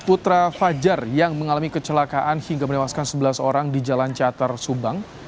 putra fajar yang mengalami kecelakaan hingga menewaskan sebelas orang di jalan cater subang